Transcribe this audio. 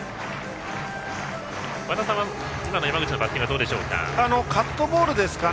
和田さん、山口の今のバッティングはどうでしょうか。